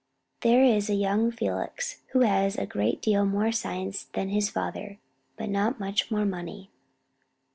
There is a young Felix, who has a great deal more science than his father, but not much more money.